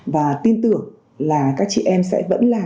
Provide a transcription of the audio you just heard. và tin tưởng là các chị em sẽ vẫn là